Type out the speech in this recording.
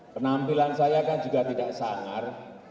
penampilan saya kan juga tidak sangar